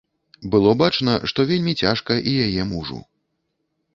Было бачна, што вельмі цяжка і яе мужу.